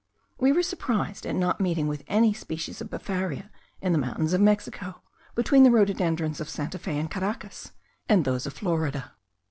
We were surprised at not meeting with any species of befaria in the mountains of Mexico, between the rhododendrons of Santa Fe and Caracas, and those of Florida.